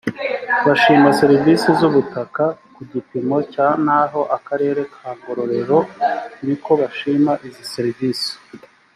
bashima serivisi z ubutaka ku gipimo cya naho akarere ka ngororero niko bashima izi serivisi